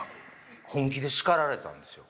本気でしかられたんですよ。